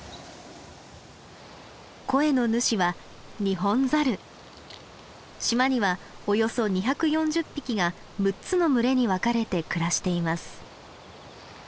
声の主は島にはおよそ２４０匹が６つの群れに分かれて暮らしています。